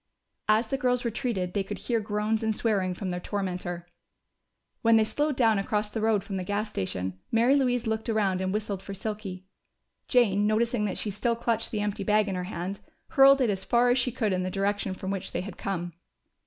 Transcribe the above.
As the girls retreated, they could hear groans and swearing from their tormentor. When they slowed down across the road from the gas station, Mary Louise looked around and whistled for Silky. Jane, noticing that she still clutched the empty bag in her hand, hurled it as far as she could in the direction from which they had come.